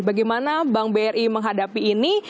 bagaimana bank bri menghadapi ini